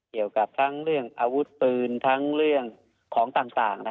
เกี่ยวกับทั้งเรื่องอาวุธปืนทั้งเรื่องของต่าง